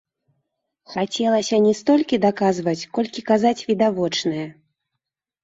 Хацелася не столькі даказваць, колькі казаць відавочнае.